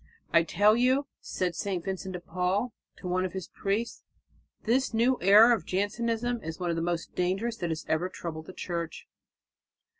"I tell you," said St. Vincent de Paul to one of his priests, "that this new error of Jansenism is one of the most dangerous that has ever troubled the Church."